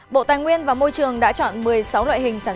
bộ tài nguyên và môi trường đã chọn một mươi sáu loại hình sản